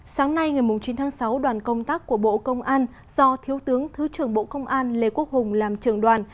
sáng nay ngày chín tháng sáu đoàn công tác của bộ công an do thiếu tướng thứ trưởng bộ công an lê quốc hùng làm trưởng đoàn